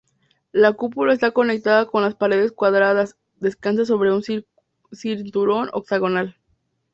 La cúpula está conectada con las paredes cuadradas descansa sobre un cinturón octagonal.